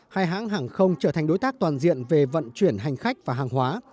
hai hãng hàng không trở thành đối tác toàn diện về vận chuyển hành khách và hàng hóa